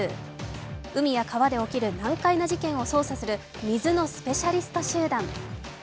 海や川で起きる難解な事件を捜査する水のスペシャリスト集団。